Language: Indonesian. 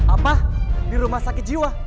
apa di rumah sakit jiwa